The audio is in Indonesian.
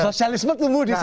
sosialisme tumbuh disana